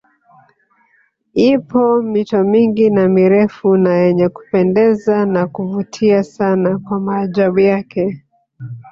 Ipo mito mingi na mirefu na yenye kupendeza na kuvutia sana kwa maajabu yake